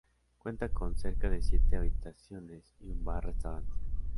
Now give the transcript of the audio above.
Cuenta con cerca de siete habitaciones y un bar restaurante.